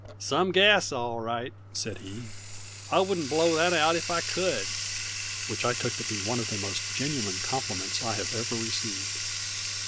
"Some gas, all right!" said he. "I wouldn't blow that out if I could!" Which I took to be one of the most genuine compliments I have ever received.